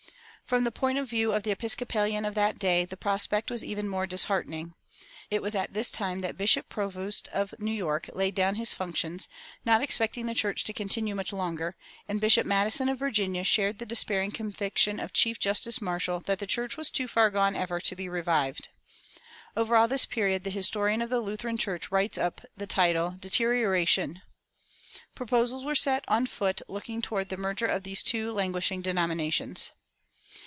From the point of view of the Episcopalian of that day the prospect was even more disheartening. It was at this time that Bishop Provoost of New York laid down his functions, not expecting the church to continue much longer; and Bishop Madison of Virginia shared the despairing conviction of Chief Justice Marshall that the church was too far gone ever to be revived.[232:1] Over all this period the historian of the Lutheran Church writes up the title "Deterioration."[232:2] Proposals were set on foot looking toward the merger of these two languishing denominations.